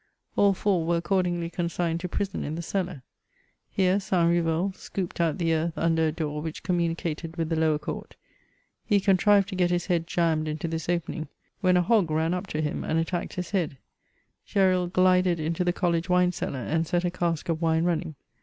'AU four were accordingly oonagned to prison in the cellar ; here St. Bireul scooped out the earth under a door which communicated with the lower court ; he contrived to get his head jammed into this opening, when a hog ran up to him and attacked his head; Gesril ^ded into the college wine cellar, and set a cask of wine running.